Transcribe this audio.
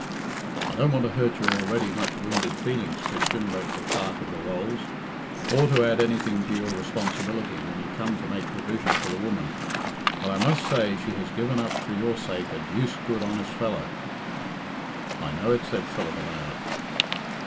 "I don't want to hurt your already much wounded feelings, Christian," wrote the Clerk of the Rolls, "or to add anything to your responsibility when you come to make provision for the woman, but I must say she has given up for your sake a deuced good honest fellow." "I know it," said Philip aloud.